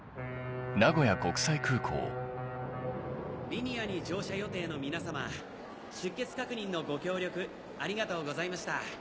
リニアに乗車予定の皆様出欠確認のご協力ありがとうございました。